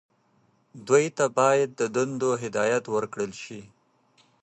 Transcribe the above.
دوی ته باید د دندو هدایت ورکړل شي.